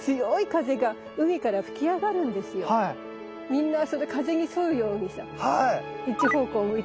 みんなそれで風に沿うようにさ一方向向いてるから。